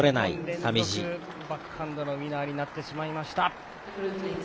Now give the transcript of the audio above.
２本連続、バックハンドのウイナーになってしまいました。